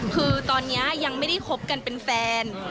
คือตอนนี้ยังไม่ได้คบกันเป็นแฟน